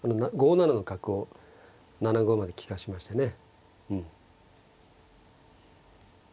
５七の角を７五まで利かしましてね。